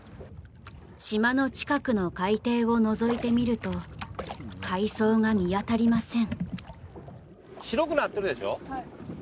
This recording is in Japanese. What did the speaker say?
島の近くの海底をのぞいてみると海藻が見当たりません。